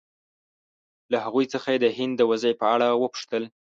له هغوی څخه یې د هند د وضعې په اړه وپوښتل.